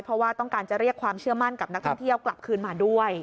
เพราะว่าต้องการจะเรียกความเชื่อมั่นกับนักท่องเที่ยวกลับคืนมาด้วย